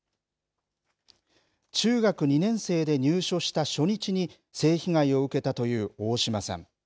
中学２年生で入所した初日に、性被害を受けたという大島さん。